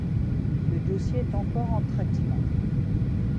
Le dossier est encore en traitement.